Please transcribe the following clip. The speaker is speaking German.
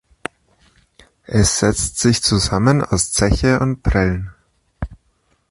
Es setzt sich zusammen aus "Zeche" und "prellen".